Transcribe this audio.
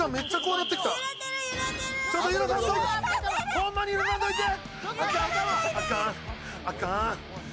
ホンマに揺らさんといて！